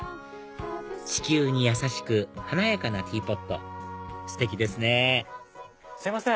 地球に優しく華やかなティーポットステキですねすいません。